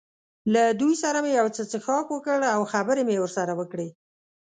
له دوی سره مې یو څه څښاک وکړ او خبرې مې ورسره وکړې.